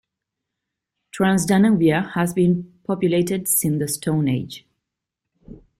Transdanubia has been populated since the Stone Age.